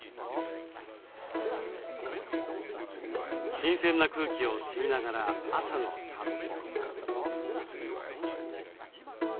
新鮮な空気を吸いながら朝の散歩。